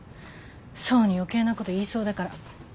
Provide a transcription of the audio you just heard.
想に余計なこと言いそうだから。